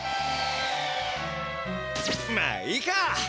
まあいいか。